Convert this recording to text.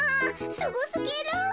すごすぎる。